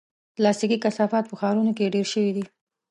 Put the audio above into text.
پلاستيکي کثافات په ښارونو کې ډېر شوي دي.